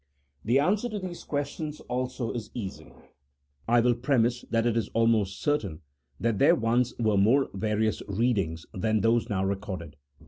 The answer to these questions also is easy : I will pre mise that it is almost certain that there once were more various readings than those now recorded.